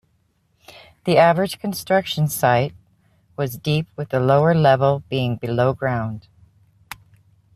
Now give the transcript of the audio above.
The average construction site was deep, with the lower level being below ground.